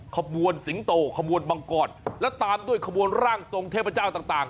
ขบวนสิงโตขบวนมังกรและตามด้วยขบวนร่างทรงเทพเจ้าต่าง